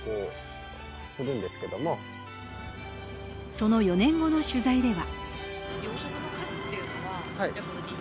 その４年後の取材では。